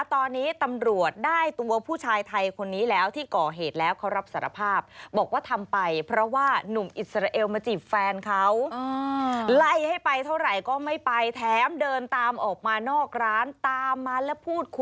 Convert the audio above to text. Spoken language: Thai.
ตอนนี้ตำรวจได้ตัวผู้ชายไทยคนนี้แล้วที่เกาะเหตุแล้วเขารับสารภาพ